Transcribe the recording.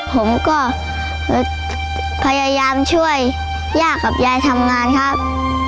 ผมก็พยายามช่วยย่ากับยายทำงานครับ